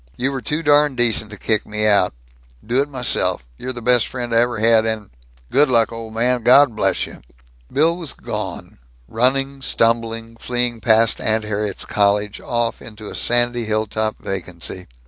You were too darn decent to kick me out. Do it myself. You're best friend I ever had and Good luck, old man! God bless you!" Bill was gone, running, stumbling, fleeing past Aunt Harriet's cottage, off into a sandy hilltop vacancy.